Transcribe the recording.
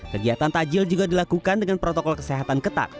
kegiatan tajil juga dilakukan dengan protokol kesehatan ketat